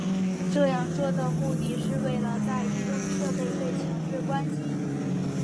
这样做的目的是为了在移动设备被强制关机。